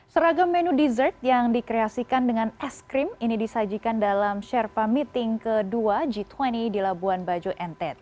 seragam menu dessert yang dikreasikan dengan es krim ini disajikan dalam sherpa meeting ke dua g dua puluh di labuan bajo ntt